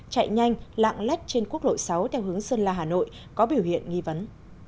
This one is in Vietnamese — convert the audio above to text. chạy nhanh lạng lách trên quốc lộ sáu theo hướng sơn la hà nội có biểu hiện nghi vấn